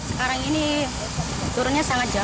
sekarang ini turunnya sangat jauh